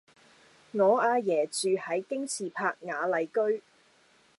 我阿爺住喺京士柏雅麗居